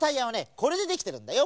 これでできてるんだよ。